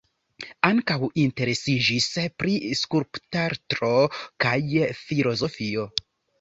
Ankaŭ interesiĝis pri skulptarto kaj filozofio.